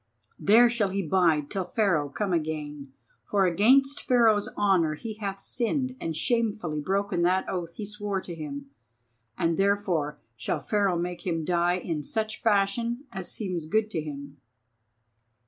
There shall he bide till Pharaoh come again; for against Pharaoh's honour he hath sinned and shamefully broken that oath he swore to him, and therefore shall Pharaoh make him die in such fashion as seems good to him."